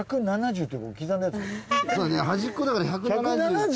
端っこだから１７０。